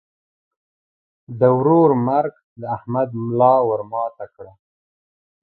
د ورور مرګ د احمد ملا ور ماته کړه.